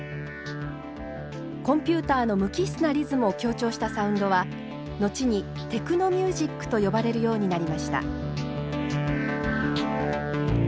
コンピューターの無機質なリズムを強調したサウンドは後にテクノ・ミュージックと呼ばれるようになりました。